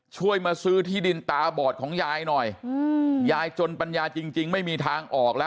ช่วยมาซื้อที่ดินตาบอดของยายหน่อยยายจนปัญญาจริงไม่มีทางออกแล้ว